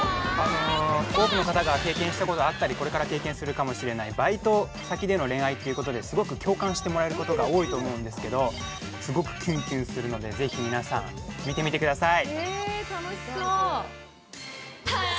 多くの方が経験したことがあったりこれから経験するかもしれないバイト先での恋愛ということで、すごく共感してもらえることが多いと思うんですけど、すごくキュンキュンするので皆さん見てみてください。